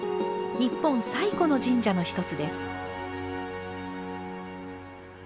日本最古の神社の一つです。